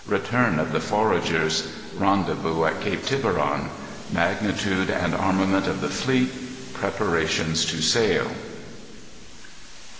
Return of the Foragers. Rendezvous at Cape Tiburon. Magnitude and Armament of the Fleet. Preparations to Sail.